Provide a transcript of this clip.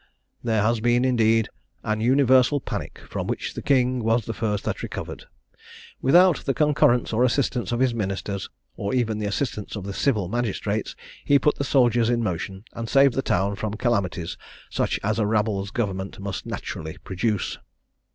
"There has been, indeed, an universal panic, from which the king was the first that recovered. Without the concurrence or assistance of his ministers, or even the assistance of the civil magistrates, he put the soldiers in motion, and saved the town from calamities such as a rabble's government must naturally produce.